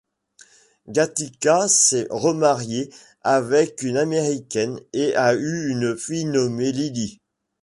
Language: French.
Gatica s'est remariée avec une Américaine et a eu une fille nommée Lily.